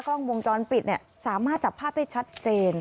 กล้องวงจรปิดสามารถจับภาพได้ชัดเจน